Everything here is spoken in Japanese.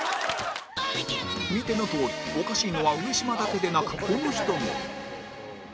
見てのとおりおかしいのは上島だけでなくこの人も